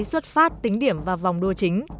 thuất phát tính điểm và vòng đua chính